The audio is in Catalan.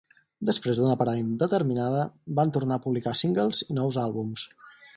Després d'una parada indeterminada, van tornar a publicar singles i nous àlbums.